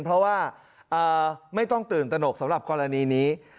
เพราะว่าไม่ต้องตื่นตนกสำหรับกรณีนี้